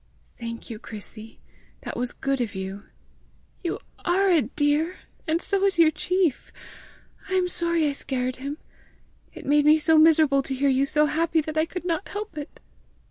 "Thank you, Chrissy! That was good of you!" "You are a dear! and so is your chief! I am sorry I scared him! It made me so miserable to hear you so happy that I could not help it!